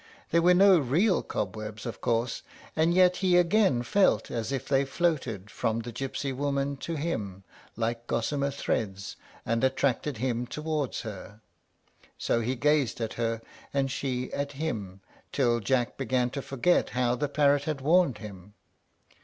There were no real cobwebs, of course; and yet he again felt as if they floated from the gypsy woman to him, like gossamer threads, and attracted him towards her. So he gazed at her, and she at him, till Jack began to forget how the parrot had warned him.